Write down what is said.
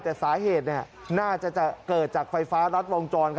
แต่สาเหตุน่าจะเกิดจากไฟฟ้ารัดวงจร